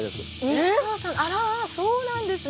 あらそうなんですね。